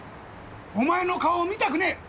お前の顔見たくねえ！